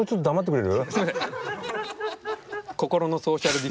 すいません！